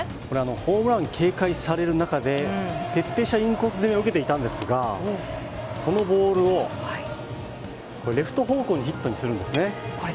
ホームラン警戒される中で、徹底したインコース攻めを受けていたんですが、そのボールをレフト方向にヒットするんです。